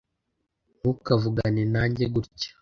ntukavugane nanjye gutya